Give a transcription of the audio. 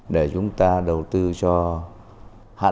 để chúng ta đầu tư cho hạ tầng